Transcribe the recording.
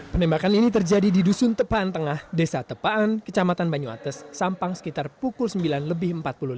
penembakan ini terjadi di dusun tepaan tengah desa tepaan kecamatan banyuates sampang sekitar pukul sembilan lebih empat puluh lima